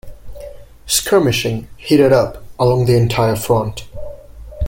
Skirmishing heated up along the entire front.